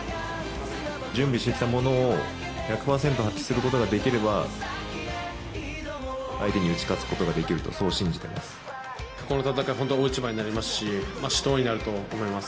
準備してきたものを１００％発揮することができれば、相手に打ち勝つことができると、そう信この戦い、本当に大一番になると思いますし、死闘になると思います。